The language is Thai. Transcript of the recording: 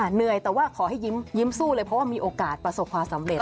เหนื่อยแต่ว่าขอให้ยิ้มสู้เลยเพราะว่ามีโอกาสประสบความสำเร็จ